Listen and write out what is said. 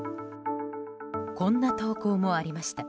こんな投稿もありました。